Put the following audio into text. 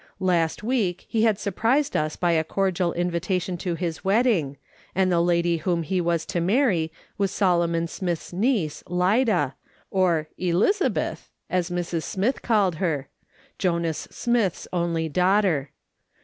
Last week he had surprised us by a cordial invitation to his wedding, and the lady whom he was to marry was Solomon Smith's niece, Lida, or "Elizabeth," as Mrs. Smith called her — Jonas Smith's only daughter.